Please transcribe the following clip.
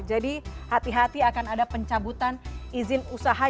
jadi hati hati akan ada pencabutan izin usaha